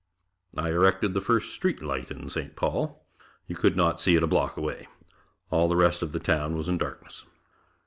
I erected the first street light in St. Paul. You could not see it a block away. All the rest of the town was in darkness.